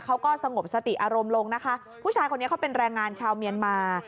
เขาก็สงบสติอารมณ์ลงนะคะผู้ชายคนนี้เขาเป็นแรงงานชาวเมียนมา